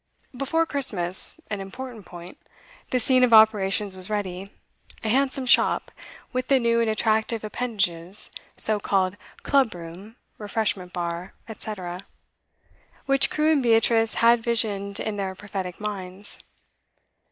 Before Christmas an important point the scene of operations was ready: a handsome shop, with the new and attractive appendages (so called 'club room,' refreshment bar, &c.) which Crewe and Beatrice had visioned in their prophetic minds.